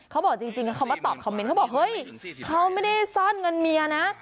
เขาบอกจริงเขามาตอบคอมเมนต์เขาบอกเฮ้ยเขาไม่ได้ซ่อนเงินเมียนะ